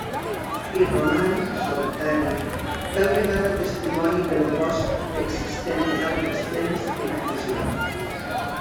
Hi roman, solitari, tal vegada testimoni del bosc existent en altres temps en aquest lloc.